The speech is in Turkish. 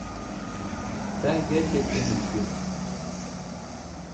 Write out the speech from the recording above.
Ben gerçekten üzgünüm.